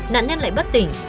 nạn nhân lại bất tỉnh